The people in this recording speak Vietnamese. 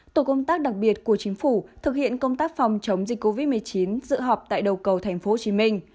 tổ công tác đặc biệt của chính phủ thực hiện công tác phòng chống dịch covid một mươi chín dựa họp tại đầu cầu tp hcm